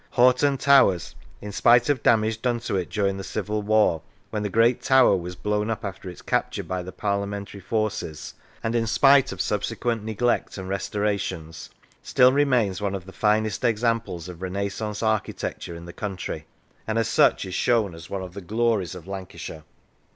Hoghton Towers, in spite of damage done to it during the Civil War, when the great tower was blown up after its capture by the Parliamentary forces, and in spite of subsequent neglect and restorations, still remains one of the finest examples of Renaissance architecture in the country, and as such is shown as one of the glories of Lancashire.